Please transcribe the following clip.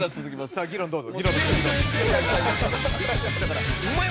さあ議論どうぞ。